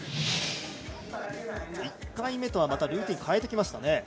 １回目とはルーティンを変えてきましたね。